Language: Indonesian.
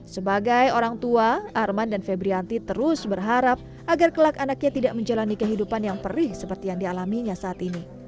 sebagai orang tua arman dan febrianti terus berharap agar kelak anaknya tidak menjalani kehidupan yang perih seperti yang dialaminya saat ini